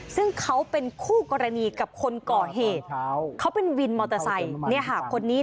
ซึ่งเขาเป็นคู่กรณีกับคนก่อเหตุเขาเป็นวินมอเตอร์ไซค์คนนี้